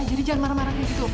jadi jangan marah marah kayak gitu